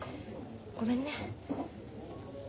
ごめんね。